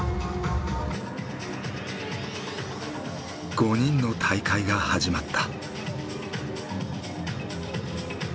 ５人の大会が始まった。